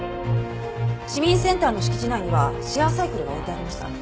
市民センターの敷地内にはシェアサイクルが置いてありました。